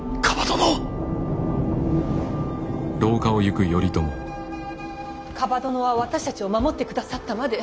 蒲殿は私たちを守ってくださったまで。